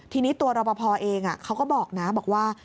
ทีนี้ตัวรอปภเองเขาก็บอกนะบอกว่า